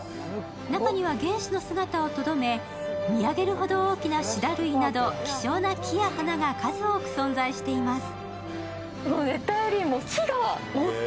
中には原始の姿をとどめ、見上げるほど大きなシダ類など希少な木や花が数多く存在しています。